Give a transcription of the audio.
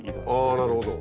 ああなるほど。